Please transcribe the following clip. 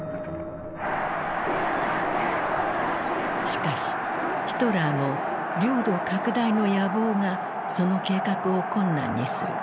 しかしヒトラーの領土拡大の野望がその計画を困難にする。